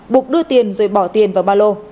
buộc đưa tiền rồi bỏ tiền vào ba lô